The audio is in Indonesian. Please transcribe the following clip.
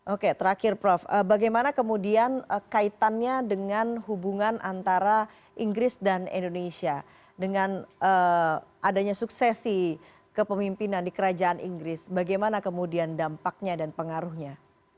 oke terakhir prof bagaimana kemudian kaitannya dengan hubungan antara inggris dan indonesia dengan adanya suksesi kepemimpinan di kerajaan inggris bagaimana kemudian dampaknya dan pengaruhnya